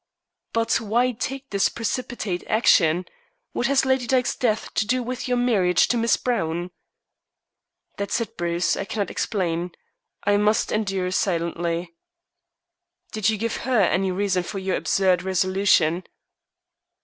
"But why take this precipitate action? What has Lady Dyke's death to do with your marriage to Miss Browne?" "That's it, Bruce. I cannot explain. I must endure silently." "Did you give her any reason for your absurd resolution?"